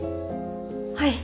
はい。